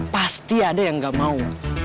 pasti ada yang gak mau